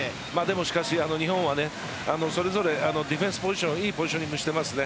しかし、日本はそれぞれディフェンスポジションいいポジショニングしていますね。